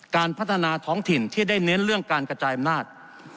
การพัฒนาท้องถิ่นที่ได้เน้นเรื่องการกระจายอำนาจ